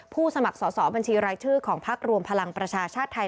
สมัครสอบบัญชีรายชื่อของพักรวมพลังประชาชาติไทย